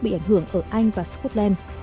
bị ảnh hưởng ở anh và scotland